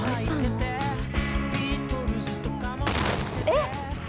えっ！？